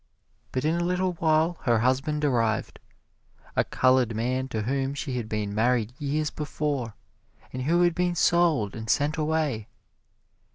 But in a little while her husband arrived a colored man to whom she had been married years before, and who had been sold and sent away.